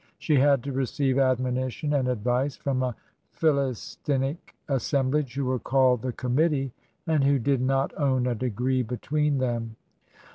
She had to receive admonition and advice from a Philistinic assemblage who were called "The Committee" and who did not own a degree between them.